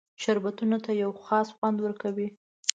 شربتونو ته یو خاص خوند ورکوي.